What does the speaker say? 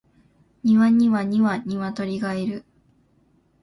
庭には二羽鶏がいる